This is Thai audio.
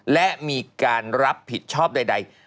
และมีการรับผิดชอบใด